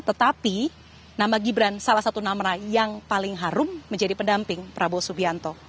tetapi nama gibran salah satu nama yang paling harum menjadi pendamping prabowo subianto